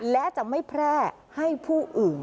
และจะไม่แพร่ให้ผู้อื่น